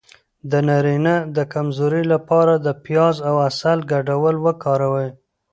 د نارینه د کمزوری لپاره د پیاز او عسل ګډول وکاروئ